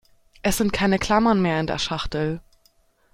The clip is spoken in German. Es sind keine Klammern mehr in der Schachtel.